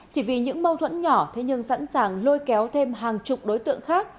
chỉ vì những mâu thuẫn nhỏ thế nhưng sẵn sàng lôi kéo thêm hàng chục đối tượng khác